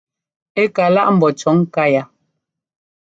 Ɛ ka láʼ ḿbó cʉ̈ŋká yá.